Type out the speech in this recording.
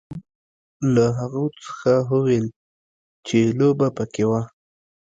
یوه له هغو څخه هویل وه چې لوبه پکې وه.